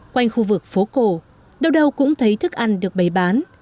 quanh khu vực phố cổ đâu đâu cũng thấy thức ăn được bày bán